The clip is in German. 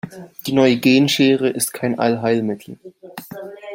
Die neue Genschere ist kein Allheilmittel.